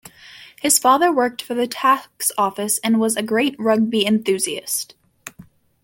His father worked for the tax office and was a great rugby enthusiast.